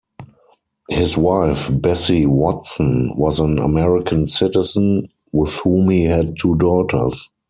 His wife, Bessie Watson, was an American citizen with whom he had two daughters.